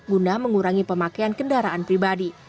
guna mengurangi pemakaian kendaraan pribadi